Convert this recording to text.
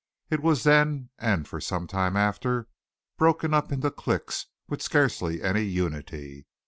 It was then and for some time after, broken up into cliques with scarcely any unity.